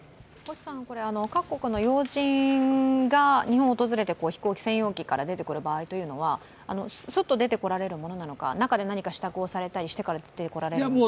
各国の要人が日本を訪れて飛行機専用機から出てくる場合というのは、すっと出てこられるものなのか、中で何かしたくをされたり出てこられるのか。